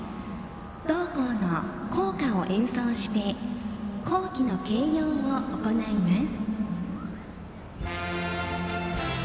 同校の校歌を演奏して校旗の掲揚を行います。